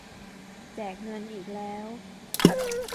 แจกเงินอีกแล้ว